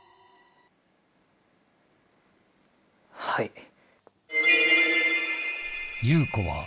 はい。